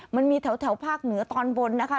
มันมีแถวภาคเหนือตอนบนนะคะ